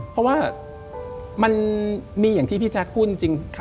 เพราะว่ามันมีอย่างที่พี่แจ๊คพูดจริง